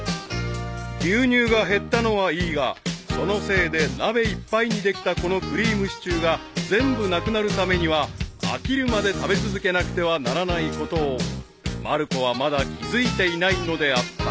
［牛乳が減ったのはいいがそのせいで鍋いっぱいにできたこのクリームシチューが全部なくなるためには飽きるまで食べ続けなくてはならないことをまる子はまだ気付いていないのであった］